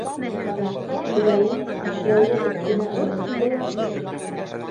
Тартҡан ҡурайын ашъяулыҡ өҫтөнә ырғытты ла: